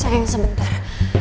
salam sayang sebentar